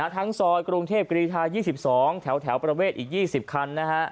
ทั้งซอยกรุงเทพกรีทา๒๒แถวประเวทอีก๒๐คันนะฮะ